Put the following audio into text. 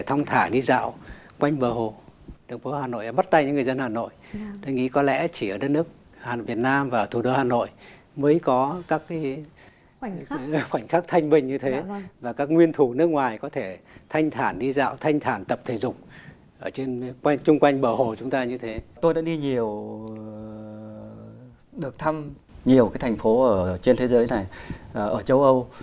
tôi đã đi nhiều được thăm nhiều cái thành phố trên thế giới này ở châu âu